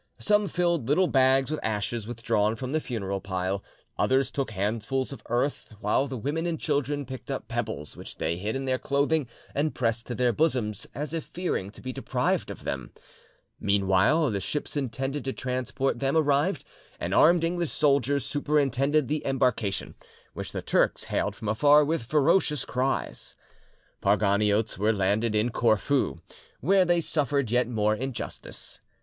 Some filled little bags with ashes withdrawn from the funeral pile; others took handfuls of earth, while the women and children picked up pebbles which they hid in their clothing and pressed to their bosoms, as if fearing to be deprived of them. Meanwhile, the ships intended to transport them arrived, and armed English soldiers superintended the embarkation, which the Turks hailed from afar with, ferocious cries. The Parganiotes were landed in Corfu, where they suffered yet more injustice.